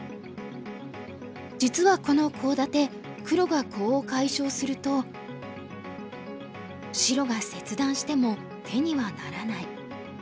実はこのコウ立て黒がコウを解消すると白が切断しても手にはならない。